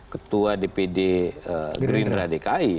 ketua dpd gerindra dki